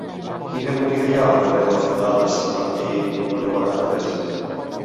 Quina botiga hi ha al carrer del Fondal de Sant Martí número quaranta-tres?